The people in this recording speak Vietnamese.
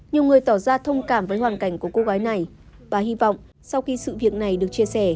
nhiều người tỏ ra thông cảm với hoàn cảnh của cô gái này và hy vọng sau khi sự việc này được chia sẻ